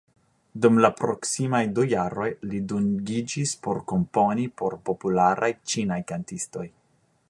Dum la proksimaj du jaroj, li dungiĝis por komponi por popularaj ĉinaj kantistoj.